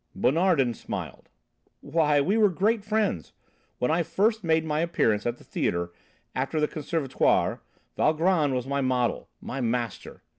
Bonardin smiled. "Why, we were great friends. When I first made my appearance at the theatre, after the Conservatoire, Valgrand was my model, my master.